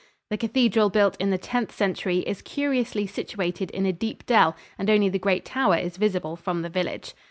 The cathedral, built in the Tenth Century, is curiously situated in a deep dell, and only the great tower is visible from the village.